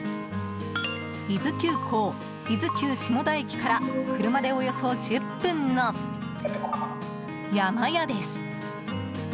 伊豆急行伊豆急下田駅から車でおよそ１０分のやまやです。